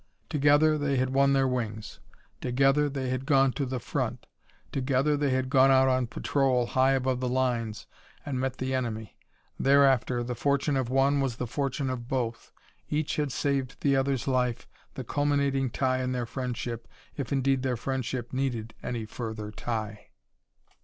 Together they had won their wings; together they had gone to the front; together they had gone out on patrol, high above the lines, and met the enemy. Thereafter, the fortune of one was the fortune of both. Each had saved the other's life, the culminating tie in their friendship, if indeed their friendship needed any further tie.